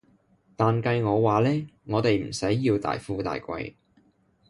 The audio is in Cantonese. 但計我話呢，我哋唔使要大富大貴